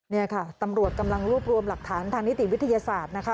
นี่ค่ะตำรวจกำลังรวบรวมหลักฐานทางนิติวิทยาศาสตร์นะคะ